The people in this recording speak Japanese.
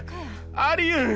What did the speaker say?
ありえん！